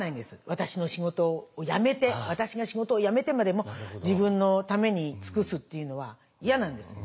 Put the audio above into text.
私の仕事を辞めて私が仕事を辞めてまでも自分のために尽くすっていうのは嫌なんです。